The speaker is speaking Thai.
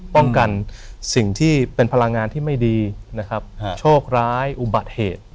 ป้องกันสิ่งที่เป็นพลังงานที่ไม่ดีนะครับโชคร้ายอุบัติเหตุ